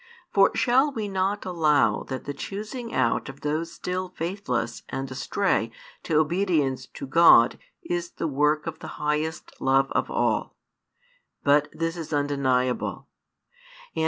For shall we not allow that the choosing out of those |410 still faithless and astray to obedience to God is the work of the highest love of all? But this is undeniable.